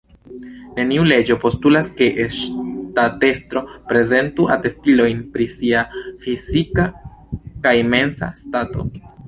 Neniu leĝo postulas, ke ŝtatestro prezentu atestilojn pri sia fizika kaj mensa stato.